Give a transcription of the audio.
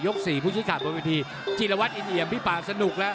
ยก๔ภูชิฆาตบริธีจิลวัฒน์อินเหยียมพี่ป่าสนุกแล้ว